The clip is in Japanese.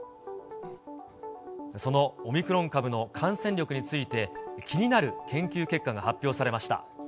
そのオミクロン株の感染力について、気になる研究結果が発表されました。